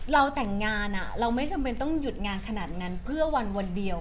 เราแต่งงานเราไม่จำเป็นต้องหยุดงานขนาดนั้นเพื่อวันเดียว